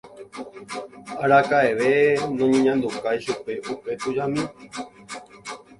Araka'eve noñeñandukái chupe upe tujami.